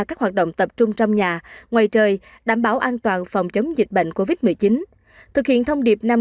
các hoạt động tập trung trong nhà ngoài trời đảm bảo an toàn phòng chống dịch bệnh covid một mươi chín